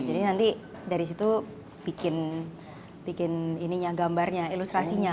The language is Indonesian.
jadi nanti dari situ bikin gambarnya ilustrasinya